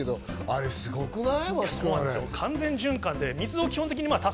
あれすごくない？